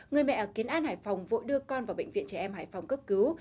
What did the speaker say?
người mẹ ở kiến an hải phòng vội đưa con vào bệnh viện trẻ em hải phòng cấp cứu